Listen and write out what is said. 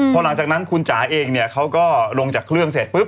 พอหลังจากนั้นคุณจ๋าเองเนี่ยเขาก็ลงจากเครื่องเสร็จปุ๊บ